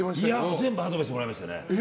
全部アドバイスもらいます。